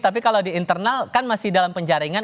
tapi kalau di internal kan masih dalam penjaringan